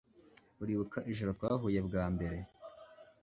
Uribuka ijoro twahuye bwa mbere